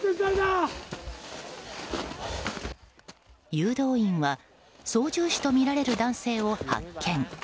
誘導員は操縦士とみられる男性を発見。